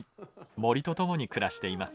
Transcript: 森と共に暮らしています。